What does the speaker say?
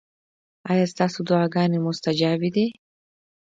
ایا ستاسو دعاګانې مستجابې دي؟